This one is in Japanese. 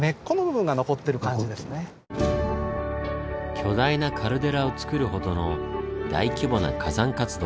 巨大なカルデラをつくるほどの大規模な火山活動。